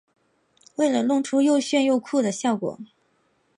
为了弄出又酷又炫的效果